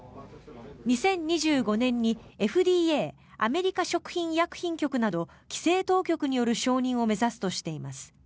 ２０２５年にＦＤＡ・アメリカ食品医薬品局など規制当局による承認を目指すとしています。